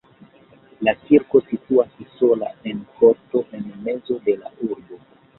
La kirko situas sola en korto en mezo de la urbo.